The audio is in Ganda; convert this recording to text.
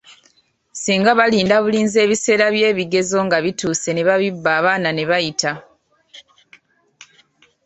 Singa balinda bulinzi ebiseera bye bigezo nga bituuse ne babibba abaana ne babiyita.